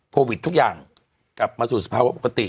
โควิดทุกอย่างกลับมาสู่สภาวะปกติ